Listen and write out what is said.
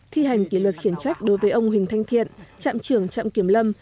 thi hành kỷ luật khiển trách đối với ông huỳnh thanh thiện trạm trưởng trạm kiểm lâm